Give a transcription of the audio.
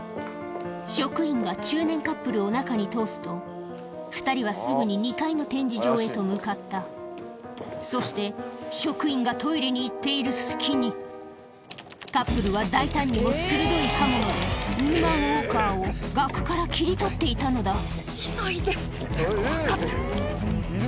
職員が中年カップルを中に通すと２人はすぐに２階の展示場へと向かったそしてカップルは大胆にも鋭い刃物でウーマン・オーカーを額から切り取っていたのだ急いで。分かってる。